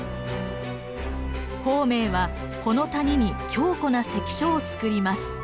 孔明はこの谷に強固な関所をつくります。